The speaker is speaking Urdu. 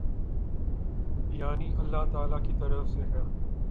یعنی اﷲ تعالی کی طرف سے ہے۔